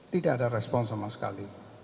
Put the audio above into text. tidak ada respon sama sekali